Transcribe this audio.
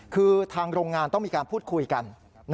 คือทางโรงงานต้องมีการพูดคุยกัน